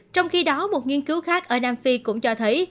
trong khi đó một nghiên cứu khác ở nam phi cũng cho thấy